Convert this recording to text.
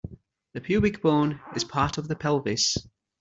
The pubic bone is part of the pelvis.